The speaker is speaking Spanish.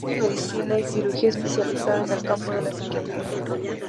Doctor en Medicina y Cirugía, especializado en el campo de la psiquiatría.